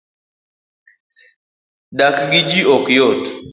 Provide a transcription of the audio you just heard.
dak gi jii ok yot